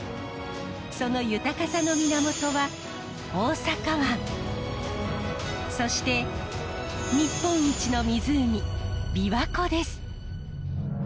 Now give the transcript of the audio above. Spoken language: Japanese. その豊かさの源は大阪湾そして日本一の湖びわ湖です。